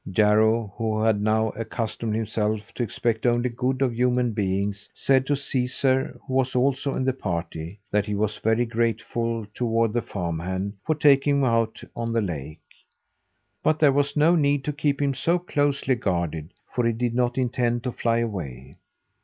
Jarro, who had now accustomed himself to expect only good of human beings, said to Caesar, who was also in the party, that he was very grateful toward the farm hand for taking him out on the lake. But there was no need to keep him so closely guarded, for he did not intend to fly away.